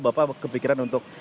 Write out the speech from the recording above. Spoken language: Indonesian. bapak kepikiran untuk